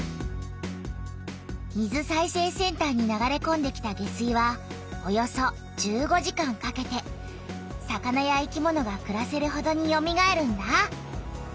水再生センターに流れこんできた下水はおよそ１５時間かけて魚や生きものがくらせるほどによみがえるんだ。